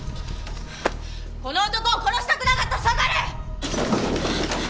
この男を殺したくなかったら下がれ！